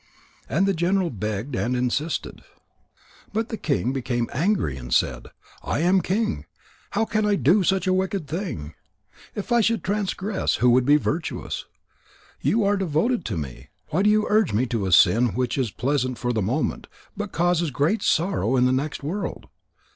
And the general begged and insisted. But the king became angry and said: "I am a king. How can I do such a wicked thing? If I should transgress, who would be virtuous? You are devoted to me. Why do you urge me to a sin which is pleasant for the moment, but causes great sorrow in the next world?